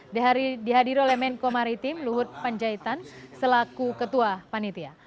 dihadiri oleh menko maritim luhut panjaitan selaku ketua panitia